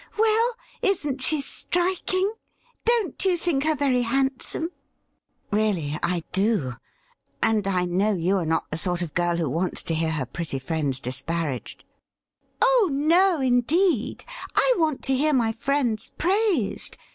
Well, isn't she striking ? Don't you think her very handsome ?' Really I do, and I know you are not the sort of girl who wants to hear her pretty friends disparaged.' ' Oh no, indeed ; I want to hear my friends praised.